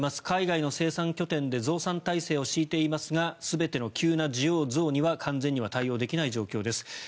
海外の生産拠点で増産体制を敷いていますが全ての急な需要増には完全には対応できない状況です。